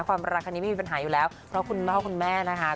ความรักครั้งนี้ไม่มีปัญหาอยู่แล้วเพราะคุณพ่อคุณแม่นะคะ